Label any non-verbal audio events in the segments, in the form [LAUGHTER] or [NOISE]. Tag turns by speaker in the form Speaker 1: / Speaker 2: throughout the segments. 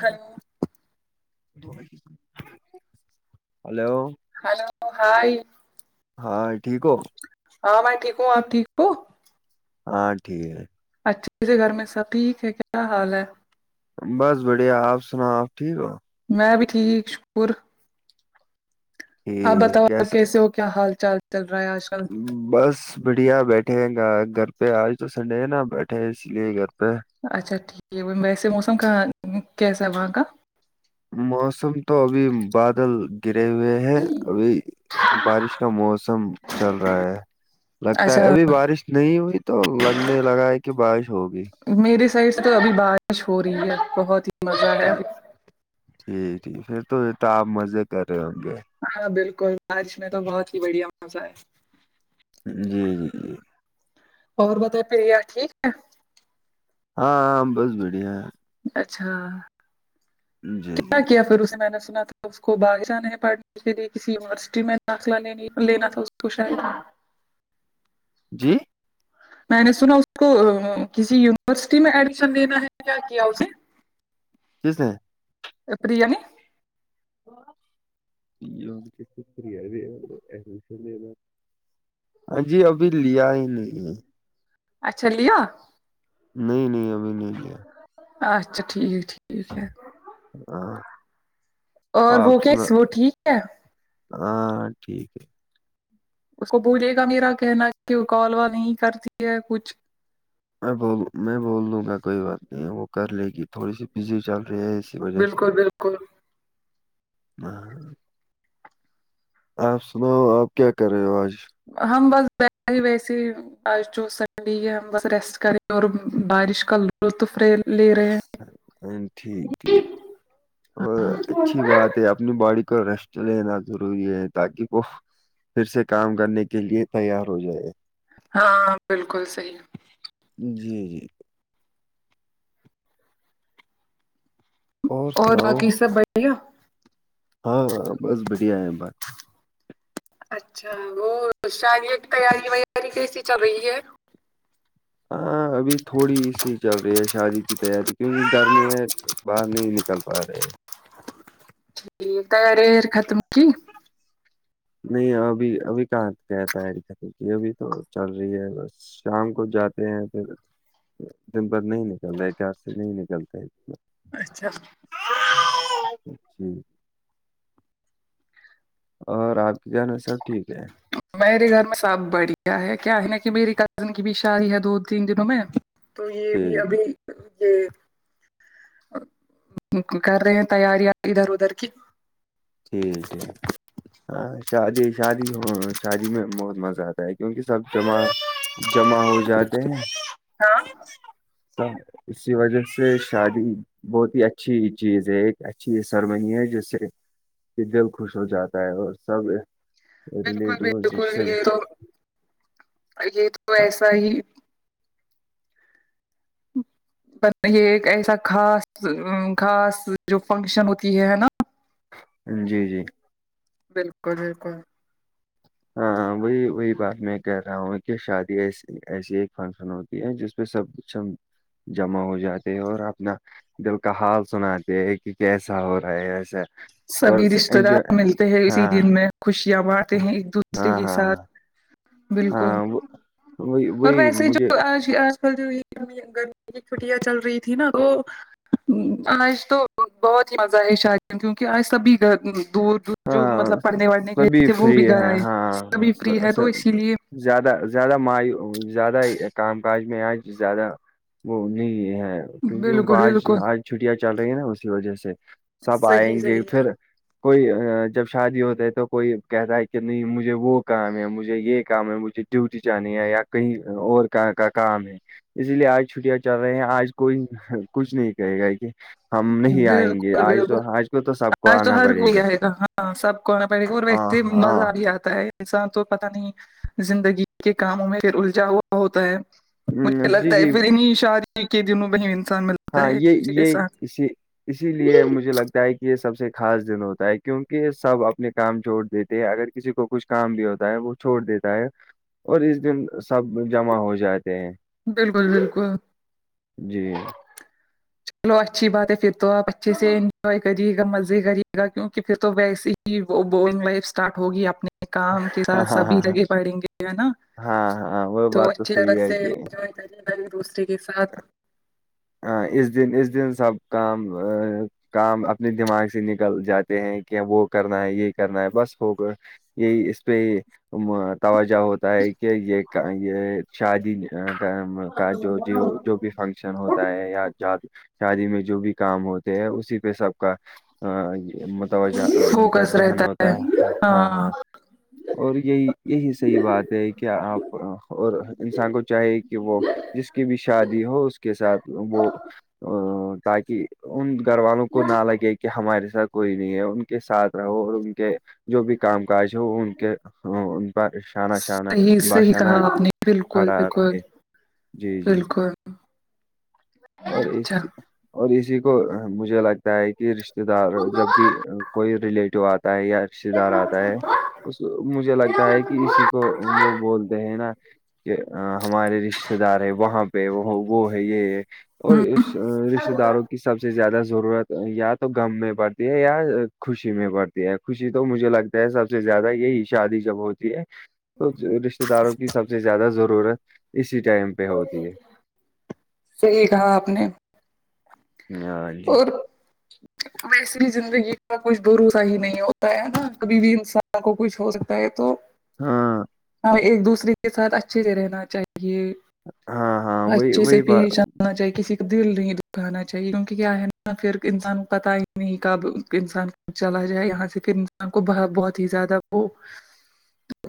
Speaker 1: hello
Speaker 2: hello
Speaker 1: hello بھائی
Speaker 2: ہاں ٹھیک ہو
Speaker 1: ہاں میں ٹھیک ہوں آپ ٹھیک ہوں
Speaker 2: ہاں ٹھیک ہے
Speaker 1: اچھے سے گھر میں سب ٹھیک ہے کیا حال ہے
Speaker 2: بس بڑھیا آپ سناؤ آپ ٹھیک ہو
Speaker 1: میں بھی ٹھیک شکر آپ بتاؤ آپ
Speaker 2: کیسا
Speaker 1: کیسے ہو کیا حال چال چل رہا ہے آج کل
Speaker 2: بس بڑھیا بیٹھے ہیں گ گھر پہ آج تو سنڈے ہے نا بیٹھے اس لیے گھر پہ
Speaker 1: اچھا ٹھیک ہے ویسے موسم کہاں کیسا ہے وہاں کا
Speaker 2: موسم تو ابھی بادل گرے ہوئے ہیں ابھی بارش کا موسم چل رہا ہے لگتا
Speaker 1: اچھا
Speaker 2: ہے ابھی بارش نہیں ہوئی تو لگنے لگا ہے کہ بارش ہوگی
Speaker 1: میرے سائڈ سے تو ابھی بارش ہو رہی ہے بہت ہی مزہ ہے
Speaker 2: ٹھیک جی ٹھیک پھر تو یہ تو آپ مزے کر رہے ہوں گے
Speaker 1: ہاں بالکل بارش میں تو بہت ہی بڑھیا مزہ ہے
Speaker 2: جی جی جی
Speaker 1: اور بتائے پہیا ٹھیک ہے
Speaker 2: ہاں بس بڑھیا
Speaker 1: اچھا
Speaker 2: جی جی
Speaker 1: کیا کیا پھر اسے میں نے سنا تھا اس کو باہر جانے ہیں پڑھنے اس لیے کسی یونیورسٹی میں داخلہینی لینا تھا اس کو شاید
Speaker 2: جی
Speaker 1: میں نے سنا اس کو کسی یونیورسٹی میں ایڈمیشن لینا ہے کیا کیا اسے
Speaker 2: کس نے
Speaker 1: [INAUDIBLE]
Speaker 2: [INAUDIBLE] ہاں جی ابھی لیا ہی نہیں
Speaker 1: اچھا لیا
Speaker 2: نہیں نہیں ابھی نہیں کیا
Speaker 1: اچھا ٹھیک ٹھیک ہے
Speaker 2: ہ
Speaker 1: اور وہ کیاس وہ ٹھیک ہے
Speaker 2: ہاں ٹھیک ہے
Speaker 1: اس کو بوولے گا میرا کہنا کہ وہ کالوا نہیں کرتی ہے کچھ
Speaker 2: میں بول میں بول لوں گا کوئی بات نہیں ہے وہ کر لے گی تھوڑی سی بزی چل فری ب سے
Speaker 1: بالکل بالکل
Speaker 2: ہ آپ سناؤ آپ کیا کر رہے ہو آج
Speaker 1: ہم بس ہی ویسی آج جو سنڈے ہم ریسٹ کریں اور بارش کا لطف لے رہے ہیں
Speaker 2: ٹھیک ٹھیک اور اچھی بات اپنی باڈی کو ریسٹ لینا ضروری ہے تاکہ وہ پھر سے کام کرنے کے لیے تیار ہو جائے
Speaker 1: ہاں بالکل صحیح
Speaker 2: جی جی
Speaker 1: اور باقی سب بڑھیا
Speaker 2: ہاں ہاں بس بڑھیا ہے بات
Speaker 1: اچھا وہ شاد کی تیاری ویاری کیسی چل رہی ہے
Speaker 2: ہاں ابھی تھوڑی سی چل رہی ہے شادی کی یاری کیونک گرمی ہے باہر نہیں نکل پا رہے
Speaker 1: ٹھیک تی ر ختم کی
Speaker 2: نہیں ابھی ابھی کہاں کہتا ہے خم کی ابھی تو چل رہی ہے بس شام کو جاتے ہیں پھر دن بھر نہیں نکلتا ایک گیار سے نہیں نکلتا
Speaker 1: اچھا
Speaker 2: اور آگ جانا سب ٹھیک ہے
Speaker 1: میرے گھر میں سب بڑھیا ہے کیا ہے نا کہ میری کزن کی بھی شادی ہے دو تین دنوں میں تو یہ بھی
Speaker 2: ٹھیک
Speaker 1: ابھی یہ کر رہے ہیں تیاریاں ادھر ادھر کی
Speaker 2: ٹھ ٹھیک ہاں شادی شادی ہو شادی میں بہت مزہ آتا ہے کیونکہ سب جمع جمع ہو جاتے ہیں
Speaker 1: ہاں
Speaker 2: اسی وجہ سے شادی بہت ہی اچھی چیز ہے ایک اچھی سرمئی ہے جس سے کہ دل خوش ہو جاتا ہے اور سب
Speaker 1: بالکل
Speaker 2: ریلیٹو
Speaker 1: بالکل یہ تو یہ تو ایسا ہی یہ ایک ایسا خاص خاص جو فنکشن ہوتی ہے ہے نا
Speaker 2: جی جی
Speaker 1: بالکل بالکل
Speaker 2: ہاں وہی وہی بات میں کہہ رہا ہوں کہ شادی ایسی ایسی ایک فنکشن ہوتی جس پہ سب کچھ جمع ہو جاتے ہیں اور اپنا دل کا حال سناتے ہیں کہ کیسا ہو رہا ہے ایسا اور
Speaker 1: سبھی رشتے دار
Speaker 2: انجوائے
Speaker 1: ملتے ہیں
Speaker 2: ہاں
Speaker 1: اسی دن میں خوشیاں مارتے ہیں ایک دوسرے
Speaker 2: ہاں ہاں
Speaker 1: کے ساتھ
Speaker 2: ہاں
Speaker 1: بالکل
Speaker 2: ہاں وہ- وہی
Speaker 1: اور
Speaker 2: وہی
Speaker 1: ویسے
Speaker 2: مجھے
Speaker 1: جو آج کل جو یہ گرمی کی چھٹیاں چل رہی تھی نا وہ آج تو بہت ہی مزہ ہے شار کیونکہ آج سبھی دور دور جو
Speaker 2: ہاں
Speaker 1: مطلب پڑھنے وڑھنے گئے
Speaker 2: سبھی
Speaker 1: تھے وہ
Speaker 2: فری
Speaker 1: بھی گھر
Speaker 2: ہیں
Speaker 1: آئے
Speaker 2: ہاں
Speaker 1: سبھی فری
Speaker 2: س-
Speaker 1: ہے تو
Speaker 2: س-
Speaker 1: اسی لیے
Speaker 2: زیادہ زیادہ مای زیادہ کام کاج میں آج زیادہ وہ نہیں ہے کیونکہ ان کو
Speaker 1: بالکل
Speaker 2: آج
Speaker 1: بالکل
Speaker 2: آج چھٹیاں چل رہی ہیں نا اسی وجہ سے سب
Speaker 1: صحیح
Speaker 2: آئیں گے پھر
Speaker 1: صحیح
Speaker 2: کوئی ہے جب شادی ہوتا ہے تو کوئی کہتا ہے کہ نہیں مجھے وہ کام ہے مجھے یہ کام ہے مجھے ڈیوٹی جانی ہے یا کہیں اور کا کام ہے اسی لیے آج چھٹیاں چل رہی ہیں آج کوئی کچھ نہیں کہے گا کہ ہم نہیں آئیں گے
Speaker 1: بالکل
Speaker 2: آج تو
Speaker 1: بالکل
Speaker 2: آج کو تو سب کو
Speaker 1: آج تو
Speaker 2: آنا
Speaker 1: ہر
Speaker 2: پڑے
Speaker 1: کوئی
Speaker 2: گا
Speaker 1: آئے ہاں سب کو آنا پڑے گا اور
Speaker 2: ہاں
Speaker 1: ویسے ہی
Speaker 2: ہاں
Speaker 1: مزہ بھی آتا ہے ایسا تو پتا نہیں زندگی کے کاموں میں پھر الجا ہوا ہوتا ہے
Speaker 2: ہم،
Speaker 1: مجھے
Speaker 2: جی
Speaker 1: لگتا ہے
Speaker 2: جی
Speaker 1: پھر انیں شاد کے دنوں میں ہی انسان ملتا
Speaker 2: ہاں
Speaker 1: ہے ایک
Speaker 2: یہ
Speaker 1: دوسرے کے
Speaker 2: یہ
Speaker 1: ساتھ
Speaker 2: اسی لیے مجھے لگتا ہے کہ یہ سب سے خاص دن ہوتا ہے کیونکہ سب اپنے کام چھوڑ دیتے ہیں اگر کسی کو کچھ کام بھی ہوتا ہے وہ چھوڑ دیتا ہے اور اس دن سب جمع ہو جاتے ہیں
Speaker 1: بالکل بالکل
Speaker 2: جی
Speaker 1: چلو اچھی بات ہے پھر تو آپ اچھے سے انجوائے کرے گا مزے کریے گا کیونکہ پھر تو ویسے ہی وہ بورنگ لائف اسٹارٹ ہوگی اپنے کام کے
Speaker 2: ہاں
Speaker 1: ساتھ
Speaker 2: ہاں
Speaker 1: سبھی
Speaker 2: ہاں
Speaker 1: لگے پڑیں گے ہے نا
Speaker 2: ہاں ہاں وہ
Speaker 1: تو
Speaker 2: بات
Speaker 1: اچھی
Speaker 2: صحیح
Speaker 1: طرح
Speaker 2: ہے
Speaker 1: سے
Speaker 2: کہ
Speaker 1: انجوائے کرے گا ایک دوسرے کے ساتھ
Speaker 2: ہ اس دن اس دن سب کا کام اپنے دماغ سے نکل جاتے ہیں کہ وہ کرنا ہے یہ کرنا ہے بس ہو کر یہی اس پ توجہ ہوتا ہے کہ یہ یہ شادی کا جو جو جو بھی فنکشن ہوتا ہے یا شادی میں جو بھی کام ہوتے ہے اسی پہ سب کا ا متوجہ ان کا
Speaker 1: فوکس
Speaker 2: ذہن
Speaker 1: رہتا
Speaker 2: ہوتا ہے ہاں ہاں اور یہی یہی صحیح بات ہے کہ آپ اور انسان کو چاہے کہ وہ جس کی بھی شادی ہو اس کے ساتھ وہ ا تاکہ ان گھر والوں کو نہ لگے کہ ہمارے ساتھ کوئی نہیں ہے ان کے ساتھ اور ان کے جو بھی کام کاج ہے وہ ان کے ان پر شانہ شانہ
Speaker 1: صحیح صحیح
Speaker 2: باشانہ
Speaker 1: کہا آپ نے بالکل
Speaker 2: کھڑا
Speaker 1: بالکل
Speaker 2: رہے جی جی
Speaker 1: بالکل
Speaker 2: اور
Speaker 1: اچھا
Speaker 2: اس
Speaker 1: ہوں
Speaker 2: اور اسی کو مجھے لگتا ہے کہ رشتے دار جب بھی کوئی ریلیٹو آتا ہے یا رشتے دار آتا ہے اس مجھے لگتا ہے کہ اسی کو وہ بولتے ہیں نا کہ ہمارے رشتے دار ہے وہاں پہ پ وہ وہ ہے یہ اور رشتتے داروں کی سب سے زیادہ ضرورت یا تو م میں پڑتی ہے یا خوشی میں پڑتی ہے خوشی تو مجھے لگتا ہے سب سے زیادہ یہی شادی جب ہوتی تو رشتے داروں کی سب سے زیادہ ضرورت اسی ٹائم پہ ہوتی ہے
Speaker 1: صحیح کہا آپ نے
Speaker 2: ہاں جی
Speaker 1: اور ویسے بھی زندگی کا کچھ بھروسا ہی نہیں ہوتا ہے نا کبھی بھی انسان کو کچھ ہو سکتا ہے تو
Speaker 2: ہاں
Speaker 1: ایک دوسرے کے ساتھ اچھے سے رہنا چاہیے
Speaker 2: ہاں ہاں وہی
Speaker 1: اچھے سے
Speaker 2: وہی بات
Speaker 1: پیش ہونا چاہیے کسی کا دل نہیں کھانا چاہیے کیونکہ کیا ہے نا پھر انسان کو پتا ہی نہیں کب انسان چلا جائے یہاں سے پھر انسان کو بہت ہی زیادہ وہ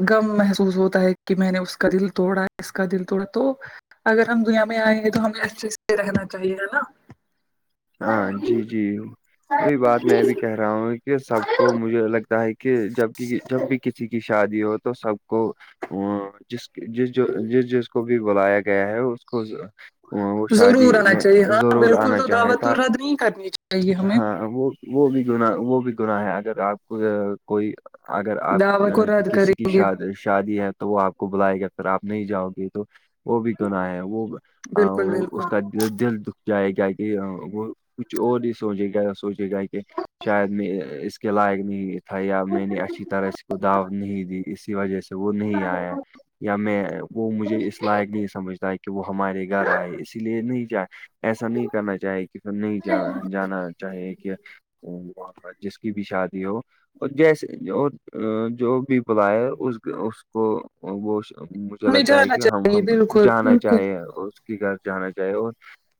Speaker 1: غم محسوس ہوتا ہے کہ میں نے اس کا دل توڑا اس کا دل توڑا تو اگر ہم دنیا میں آئیں گے تو ہمیں اچھےز سے رہنا چاہیے ہے نا
Speaker 2: ہاں جی جی وہی بات میں بھی کہہ رہا ہوں کہ سب کو مجھے لگ کیا ہے کہ جب جب بھی کسی کی شادی ہو تو سب کو جس جس جس جس کو بھی بلایا گیا ہے اس کو وہ شادی
Speaker 1: ضرور آنا
Speaker 2: میں
Speaker 1: چاہیے ہاں
Speaker 2: ضرور
Speaker 1: بالکل
Speaker 2: آنا
Speaker 1: تو
Speaker 2: چاہے
Speaker 1: دعوت تو رد نہیں کرنی چاہیے ہمیں
Speaker 2: وہ وہ بھی گنا وہ بھی گناہ ہے اگر آپ کو کوئی اگر آپ
Speaker 1: دعوت کو رد
Speaker 2: کسی کی
Speaker 1: کریں گے
Speaker 2: شاد شادی ہے تو وہ آپ کو بلائے گا پھر آپ نہیں جاؤ گے تو وہ بھی گناہ ہے وہ
Speaker 1: بالکل بالکل
Speaker 2: اس کا دل دکھ جائے گا کہ وہ کچھ اور ہی سوچے گا سوچے گا کہ شاید میں اس کے لائق نہیں تھا یا میں نے اچھی طرح سے کو داوت نہیں دی اسی وجہ سے وہ نہیں آیا یا میں وہ مجھے اس لائق نہیں سمجھتا کہ وہ ہمارے گھر آئے اسی لیے نہیں جائے ایسا نہیں کرنا چاہیے کہ پھر نہیں جانا جانا چاہیے کہ جس کی بھی شادی ہو اور جیسے اور جو بھی بلاائے اس کو وہ مجھے
Speaker 1: ہمیں
Speaker 2: لگتا ہے
Speaker 1: جانا
Speaker 2: کہ ہم
Speaker 1: چاہیے
Speaker 2: ہم کو
Speaker 1: بالکل
Speaker 2: جانا
Speaker 1: بالکل
Speaker 2: چاہیے گھر جانا چاہے اور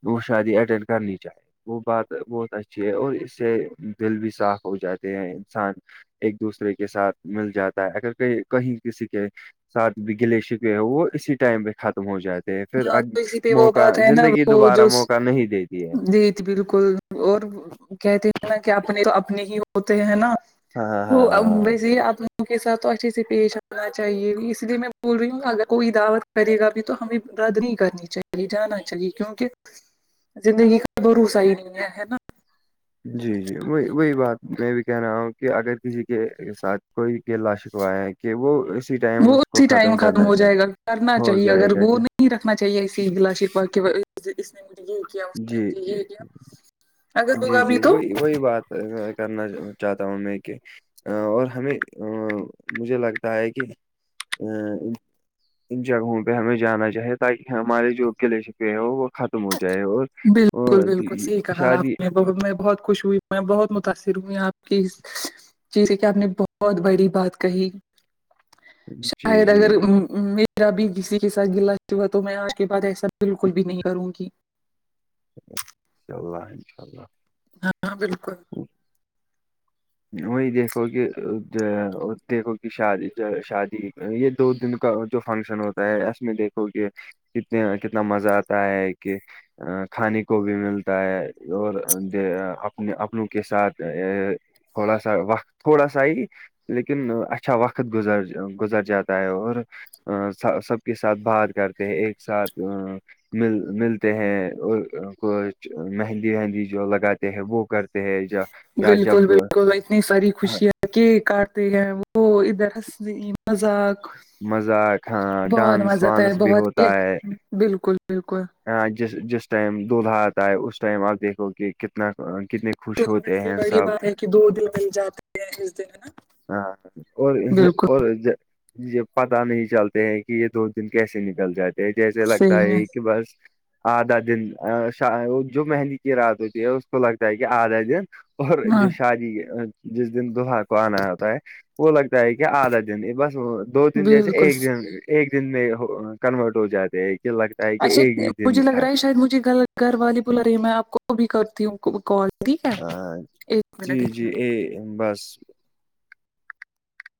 Speaker 2: وہ شادی اٹینڈ کرنی چاہے وہ بات بہت اچھی ہے اور اس سے دل بھی صاف ہو جاتے ہیں انسان ایک دوسرے کے ساتھ مل جاتا ہے اگر کہ کہیں کسی کے ساتھ بھی گلے شکوے ہو وہ اسی ٹائم پہ ختم ہو جاتے پھر
Speaker 1: ہاں تو اسی پہ وہ
Speaker 2: موقع
Speaker 1: بات ہے
Speaker 2: زندگی دوبارہ موقع نہیں دیتی ہے
Speaker 1: دید بالکل اور کہتے ہیں نا کہ اپنے تو اپنے ہی ہوتے ہیں نا
Speaker 2: ہاں ہاں
Speaker 1: تو
Speaker 2: ہاں ہاں
Speaker 1: ویسے آپ ان کے ساتھ تو اچھے سے پیش آنا چاہیے اسی لیے میں بول رہی ہوںی اگر کوئی دعوت کرے گا بھی تو ہمیں رد نہیں کرنی چاہیے جاننا چاہیے کیونکہ زندگی کا بھروسا ہی نہیں ہے ہینا
Speaker 2: جی جی وہی وہی بات میں بھی کہہ رہا ہوں کہ اگر کسی کے ساتھ کوئی گیلاا شکوا ہے کہ وہ اسی ٹائم
Speaker 1: وہ
Speaker 2: اس کو
Speaker 1: اسی ٹائم ختم
Speaker 2: کرنا
Speaker 1: ہو
Speaker 2: چاہے
Speaker 1: جائے گا کرنا
Speaker 2: ہو
Speaker 1: چاہیے
Speaker 2: جائے
Speaker 1: اگر
Speaker 2: گا
Speaker 1: وہ نہیں رکھنا چاہیے اسی گلاشکوا بقی اس نے مجھے یہ کیا اس نے
Speaker 2: جی
Speaker 1: مجھے کیا اگر
Speaker 2: جی
Speaker 1: ہوگا
Speaker 2: جی
Speaker 1: بھی تو
Speaker 2: وہی وہی بات کرنا چاہتا ہوں میں کہ اور ہمیں مجھے لگتا ہے کہ جگہوں پہ ہمیں جانا چاہیے تاکہ ہمارے جو گلے شکوے ہو وہ ختم ہو جائے
Speaker 1: بالکل
Speaker 2: اور
Speaker 1: بالکل صحیح کہا
Speaker 2: شادی
Speaker 1: آپ نے میں بہت خوش ہوئی میں بہت متاثر ہوئی آپ کی جیسے کہ آپ نے بہت بڑی بات کہی
Speaker 2: جی
Speaker 1: شاید
Speaker 2: جی
Speaker 1: اگر میرا بھی کسی کے ساتھ گلا ہوا تو میں آج کے بعد ایسا بالکل بھی نہیں کروں گی کہ
Speaker 2: انشاء اللہ انشاء اللہ
Speaker 1: ہاں ہاں بالکل
Speaker 2: وہی دیکھو کہ دیکھو کہ شادی شادی یہ دو دن کا جو فنکشن ہوتا ہے اس میں دیکھو کہ کتنے کتنا مزہ آتا ہے کہ کھانے کو بھی ملتا ہے اور اپنے اپنوں کے ساتھ تھوڑا سا وقت تھوڑا سا ہی لیکن اچھا وقت گزر گزر جاتا ہے اور سب کے ساتھ بات کرتے ہیں ایک ساتھ مل ملتے ہیں اور کو مہندی مہندی جو لگاتے ہیں وہ کرتے ہیں یا جب
Speaker 1: بالکل بالکل اتنی ساری خوشیاں کیک کاٹتے ہیں وہ ادھر ہسی مذاق
Speaker 2: مذاق ہاں
Speaker 1: بہت
Speaker 2: ڈانس
Speaker 1: مزہ آتا ہے
Speaker 2: وانس بھی
Speaker 1: بہت ہی
Speaker 2: ہوتا ہے
Speaker 1: بالکل بالکل
Speaker 2: ہاں جس جس ٹائم دولہا آتا آ ہے اس ٹائم آپ دیکھو کہ کتنا کتنے خوش ہوتے ہیں سب
Speaker 1: [INAUDIBLE] [INAUDIBLE]
Speaker 2: ہاں اور
Speaker 1: بالکل
Speaker 2: اور یہ پتا نہیں چلتے ہیں کہ یہ دو دن کیسے نکل جاتے ہیں جیسے لگتا
Speaker 1: صحیح میں
Speaker 2: ہے کہ بس آدھا دن جو مہندی کی رات ہوتی ہے اس کو لگتا ہے کہ آدھا دن اور
Speaker 1: ہاں
Speaker 2: جو شادی جس دن دوحا کو آنا ہوتا ہے وہ لگتا ہے کہ آدھا دن یہ بس دو دن جیسے
Speaker 1: بالکل
Speaker 2: ایک دن ایک دن میں کنورٹ ہو جاتے ہیں کہ لگتا ہے کہ
Speaker 1: اچھا
Speaker 2: ایک ہی
Speaker 1: مجھے
Speaker 2: دن
Speaker 1: لگ
Speaker 2: تھا
Speaker 1: رہا ہے شاید مجھے گ گھر والے بلا رہی ہے میں آپ کو بھی کرتی ہوں کال ٹھیک ہے
Speaker 2: ہاں
Speaker 1: ایک منٹ
Speaker 2: جی
Speaker 1: ایک منٹ
Speaker 2: جی یہ بس